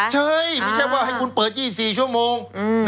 ใช่ไม่ใช่ว่าให้คุณเปิด๒๔ชั่วโมง